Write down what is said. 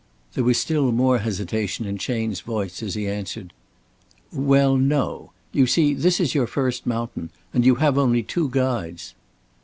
There was still more hesitation in Chayne's voice as he answered: "Well, no! You see, this is your first mountain. And you have only two guides."